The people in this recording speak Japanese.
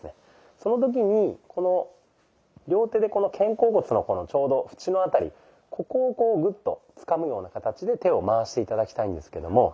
その時に両手でこの肩甲骨のちょうどフチの辺りここをこうグッとつかむような形で手を回して頂きたいんですけども。